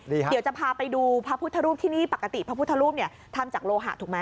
เดี๋ยวจะพาไปดูพระพุทธรูปที่นี่ปกติพระพุทธรูปเนี่ยทำจากโลหะถูกไหม